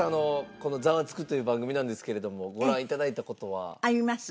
この『ザワつく！』という番組なんですけれどもご覧頂いた事は？あります。